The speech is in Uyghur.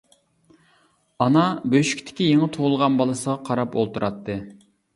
ئانا بۆشۈكتىكى يېڭى تۇغۇلغان بالىسىغا قاراپ ئولتۇراتتى.